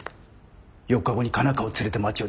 ４日後に佳奈花を連れて町を出る。